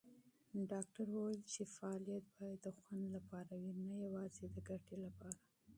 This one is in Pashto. ډاکټره وویل چې فعالیت باید د خوند لپاره وي، نه یوازې د ګټې لپاره.